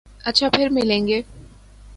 اچھا پھر ملیں گے۔